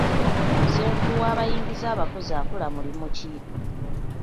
Ssenkulu w'abayingiza abakozi akola mulimu ki?